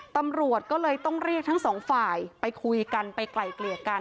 ตำรวจก็เลยต้องเรียกทั้งสองฝ่ายไปคุยกันไปไกลเกลี่ยกัน